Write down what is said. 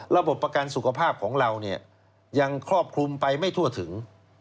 ประกันสุขภาพของเราเนี่ยยังครอบคลุมไปไม่ทั่วถึง